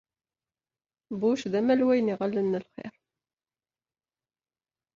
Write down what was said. Bush d amalway n yiɣallen n lxir.